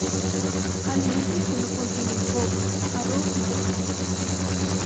Alimentos que no contienen cobre: arroz y pollo.